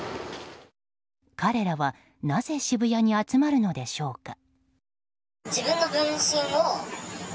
彼らはなぜ渋谷に集まるのでしょうか。